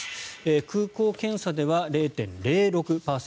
空港検査では０．０６％。